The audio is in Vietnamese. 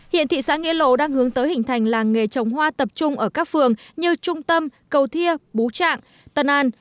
hiện thị xã nghĩa lộ đang hướng tới hình thành làng nghề trồng hoa tập trung ở các phường như trung tâm cầu thia bú trạng tân an